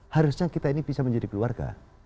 harusnya kita ini bisa menjadi keluarga